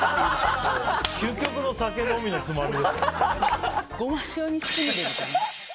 究極の酒飲みのつまみ。